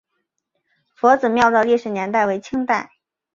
佛子庙的历史年代为清代。